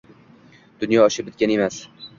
Dunyo ishi bitgan emas.